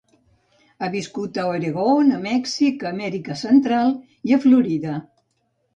Ha viscut a Oregon, a Mèxic, a Amèrica Central i a Florida.